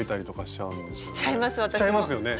しちゃいますよね！